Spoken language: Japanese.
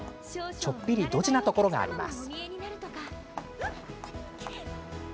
ちょっぴりドジなところがあります。